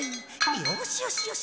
よしよしよし！